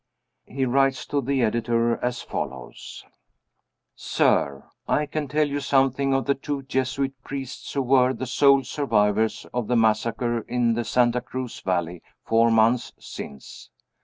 He writes to the editor as follows: "Sir I can tell you something of the two Jesuit priests who were the sole survivors of the massacre in the Santa Cruz Valley four months since.